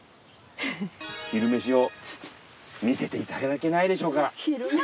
昼めしを見せていただけないでしょうか。